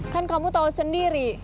kan kamu tau sendiri